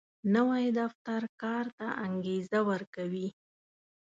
نوی دفتر کار ته انګېزه ورکوي